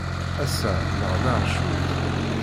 Ass-a, nneɣnaɣ cwiṭ.